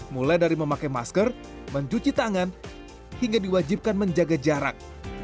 mulai dari memakai masker mencuci tangan hingga diwajibkan menjaga jarak